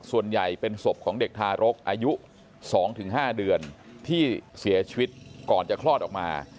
ส่วนใหญ่เป็นศพของเด็กทารกอายุ๒๕เดือนที่เสียชีวิตก่อนจะคลอดออกมา